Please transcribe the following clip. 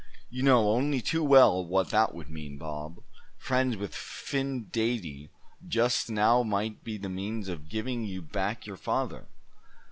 You know only too well what that would mean, Bob. Friends with Phin Dady just now might be the means of giving you back your father."